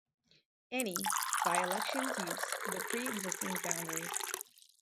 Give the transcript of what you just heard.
Any by-elections use the pre-existing boundaries.